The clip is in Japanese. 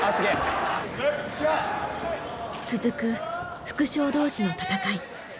続く副将同士の戦い。